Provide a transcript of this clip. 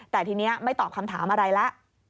แต่ทีนี้ไม่ตอบคำถามอะไรแล้ว